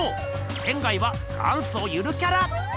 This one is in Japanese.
仙は元祖ゆるキャラ。